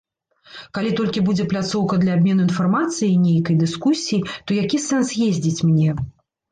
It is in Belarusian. Калі толькі будзе пляцоўка для абмену інфармацыяй нейкай, дыскусій, то які сэнс ездзіць мне?